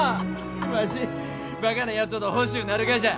わしバカなやつほど欲しゅうなるがじゃ。